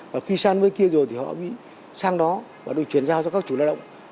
và khi sang bên kia rồi thì họ mới sang đó và được chuyển giao cho các chủ lao động